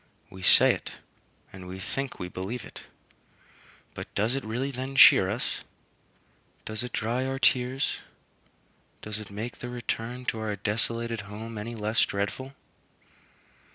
We say it, and we think we believe it; but does it really then cheer us? Does it dry our tears? Does it make the return to our desolated home any less dreadful?